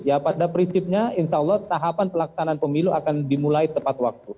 ya pada prinsipnya insya allah tahapan pelaksanaan pemilu akan dimulai tepat waktu